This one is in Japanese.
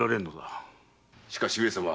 しかし上様。